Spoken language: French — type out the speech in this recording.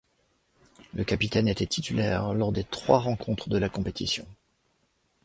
Le capitaine était titulaire lors des trois rencontres de la compétition.